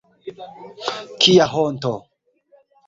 Kia honto!